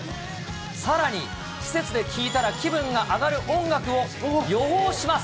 さらに、施設で聴いたら気分が上がる音楽を予報します。